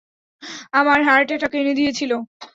আমার heart attack এনে দিয়েছিলি।